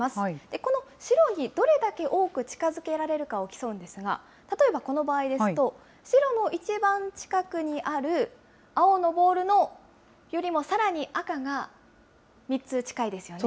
この白にどれだけ多く近づけられるかを競うんですが、例えばこの場合ですと、白の一番近くにある青のボールのさらに赤が３つ近いですよね。